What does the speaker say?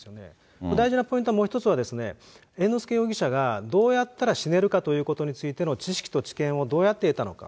これ、大事なポイント、もう１つはですね、猿之助容疑者がどうやったら死ねるかということについての知識と知見をどうやって得たのか。